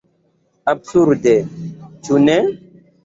Absurde, ĉu ne?